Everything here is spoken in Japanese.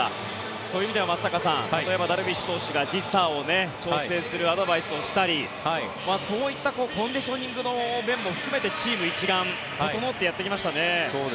そういう意味では松坂さんダルビッシュ投手が時差を調整するアドバイスをしたりそういったコンディショニングの面も含めてチーム一丸整ってやってきましたね。